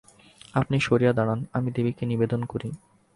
আপনি সরিয়া দাঁড়ান, আমি দেবীকে নিবেদন করি।